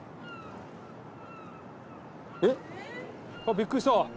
びっくりした。